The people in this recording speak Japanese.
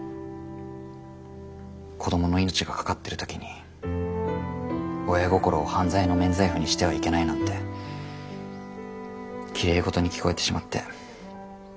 子供の命が懸かってる時に親心を犯罪の免罪符にしてはいけないなんてきれい事に聞こえてしまって。